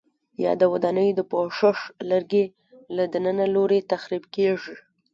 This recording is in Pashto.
یا د ودانیو د پوښښ لرګي له دننه لوري تخریب کېږي؟